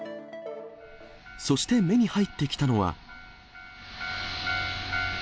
そして目に入ってきたのは。